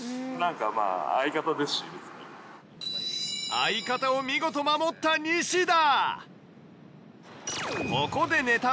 相方を見事守ったニシダ！